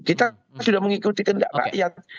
kita sudah mengikuti kendak rakyat